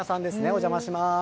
お邪魔します。